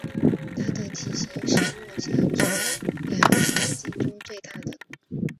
它的体型是目前圈养虎鲸中最大的。